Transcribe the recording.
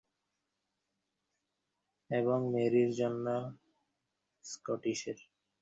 এবং ম্যারির জন্য স্কটিশের।